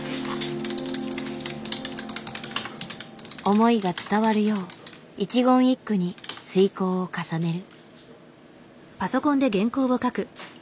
思いが伝わるよう一言一句に推こうを重ねる。